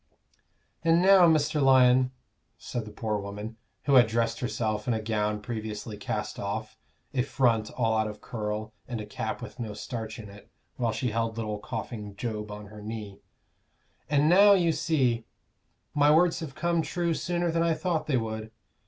"And now, Mr. Lyon," said the poor woman, who had dressed herself in a gown previously cast off, a front all out of curl, and a cap with no starch in it, while she held little coughing Job on her knee, "and now you see my words have come true sooner than I thought they would.